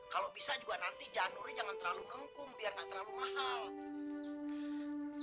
kalau bisa juga nanti janurnya jangan terlalu nengkung biar gak terlalu mahal